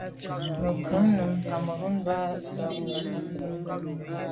Mə̀ krú nǔm Cameroun mbá mə̀ ɑ̀' zí mə̀ bwɔ́.